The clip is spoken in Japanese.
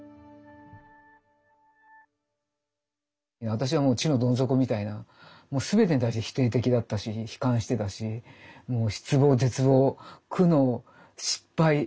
私はもう地のどん底みたいな全てに対して否定的だったし悲観してたしもう失望絶望苦悩失敗。